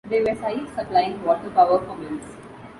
There were sites supplying water power for mills.